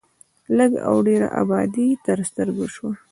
لږ او ډېره ابادي تر سترګو شوه.